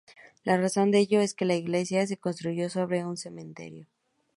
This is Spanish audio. La razón de ello es que la iglesia se construyó sobre un cementerio.